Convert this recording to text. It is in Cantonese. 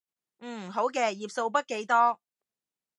嗯，好嘅，頁數筆記多